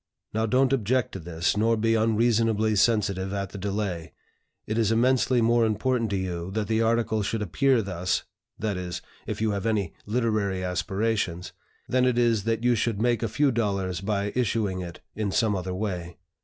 Now don't object to this, nor be unreasonably sensitive at the delay. It is immensely more important to you that the article should appear thus (that is, if you have any literary aspirations) than it is that you should make a few dollars by issuing it in some other way.